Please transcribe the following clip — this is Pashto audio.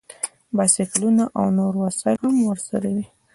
بایسکلونه او نور وسایل هم ورسره وي